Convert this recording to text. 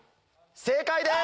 正解です。